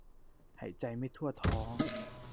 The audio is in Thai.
หายใจไม่ทั่วท้อง